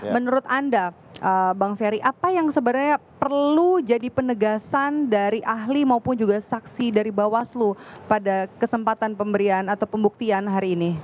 menurut anda bang ferry apa yang sebenarnya perlu jadi penegasan dari ahli maupun juga saksi dari bawaslu pada kesempatan pemberian atau pembuktian hari ini